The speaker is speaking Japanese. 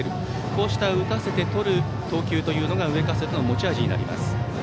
こうした打たせてとる投球が上加世田君の持ち味になります。